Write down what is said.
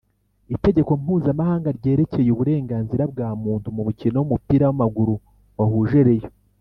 Itegeko Mpuzamahanga ryerekeye uburenganzira bwa Muntu mu mukino w umupira w amaguru wahuje Rayon